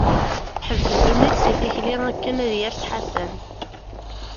Teḥbes ddunit seg tikli, akken ad yers Ḥasan.